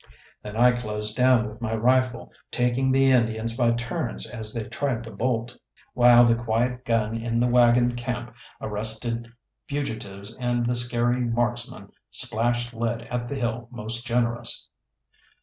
Then I closed down with my rifle, taking the Indians by turns as they tried to bolt, while the quiet gun in the waggon camp arrested fugitives and the scary marksman splashed lead at the hill most generous.